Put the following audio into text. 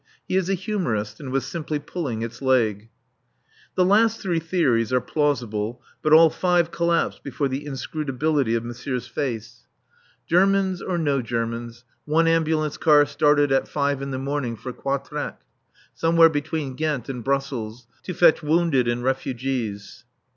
He is a humorist and was simply "pulling its leg." The three last theories are plausible, but all five collapse before the inscrutability of Monsieur's face. Germans or no Germans, one ambulance car started at five in the morning for Quatrecht, somewhere between Ghent and Brussels, to fetch wounded and refugees.